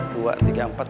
dua tiga empat